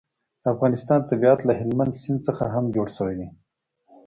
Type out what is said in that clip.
د افغانستان طبیعت له هلمند سیند څخه هم جوړ شوی دی.